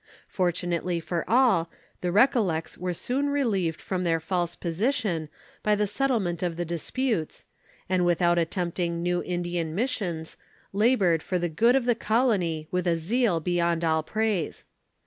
Fortunately for all, the Recollects were soon relieved from their false position by the settlement of the disputes, and without attempting new Indian missions, labored for the good of the colony with a zeal beyond all praise.